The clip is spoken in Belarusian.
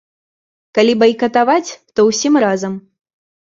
Калі байкатаваць, то ўсім разам.